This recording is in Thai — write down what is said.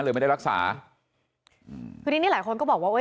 ไม่ได้รักษาคือทีนี้นี่หลายคนก็บอกว่าเอ้